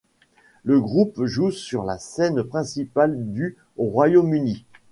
Le groupe joue sur la scène principale du au Royaume-Uni.